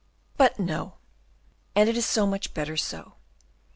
"But no; and it is much better so.